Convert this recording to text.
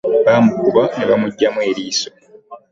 Bamukuba ne bamugyamu eriiso.